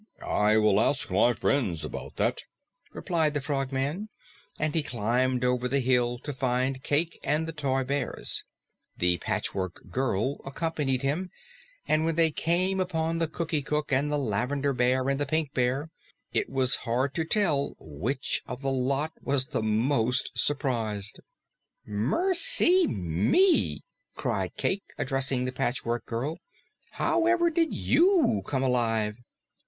"I will ask my friends about that," replied the Frogman, and he climbed over the hill to find Cayke and the toy bears. The Patchwork Girl accompanied him, and when they came upon the Cookie Cook and the Lavender Bear and the Pink Bear, it was hard to tell which of the lot was the most surprised. "Mercy me!" cried Cayke, addressing the Patchwork Girl. "However did you come alive?"